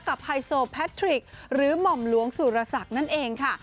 ไฮโซแพทริกหรือหม่อมหลวงสุรศักดิ์นั่นเองค่ะ